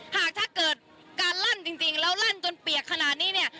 หากถ้าเกิดการลั่นจริงแล้วลั่นจนเปียกขนาดนี้เนี่ย